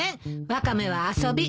ワカメは遊び。